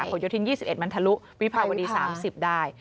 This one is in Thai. ผลโยธิน๒๑มันทะลุวิภาวดี๓๐ได้